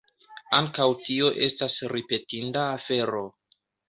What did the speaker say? Ankaŭ tio estas ripetinda afero!